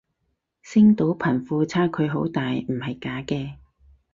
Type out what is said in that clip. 星島貧富差距好大唔係假嘅